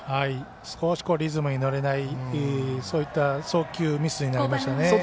少しリズムに乗れないそういった送球ミスになりました。